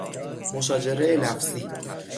مشاجره لفظی